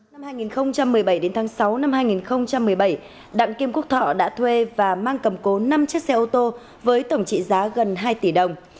năm hai nghìn một mươi bảy đến tháng sáu năm hai nghìn một mươi bảy đặng kim quốc thọ đã thuê và mang cầm cố năm chiếc xe ô tô với tổng trị giá gần hai tỷ đồng